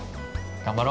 頑張ろう。